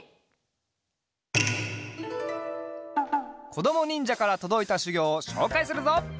こどもにんじゃからとどいたしゅぎょうをしょうかいするぞ！